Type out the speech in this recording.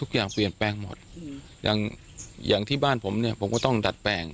ก็เปลี่ยนแปลงหมดอย่างที่บ้านผมผมก็ต้องตัดแปลง